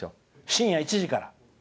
深夜１時から。